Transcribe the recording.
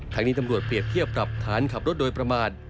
ทางนี้ตำรวจเปรียบเทียบปรับฐานขับรถโดยประมาท